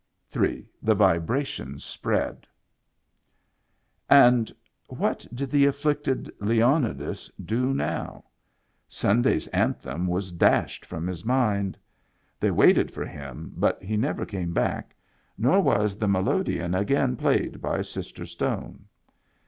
" HI. The Vibrations Spread And what did the afflicted Leonidas do now? Sunday's anthem was dashed from his mind. They waited for him, but he never came back, nor was the melodeon again played by Sister Stone.